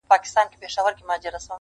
غټ منګول تېره مشوکه په کارېږي!!..